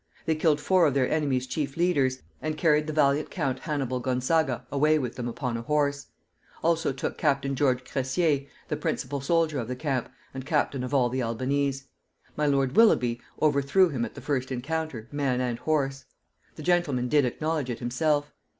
They killed four of their enemy's chief leaders, and carried the valiant count Hannibal Gonzaga away with them upon a horse; also took captain George Cressier, the principal soldier of the camp, and captain of all the Albanese. My lord Willoughby overthrew him at the first encounter, man and horse. The gentleman did acknowledge it himself.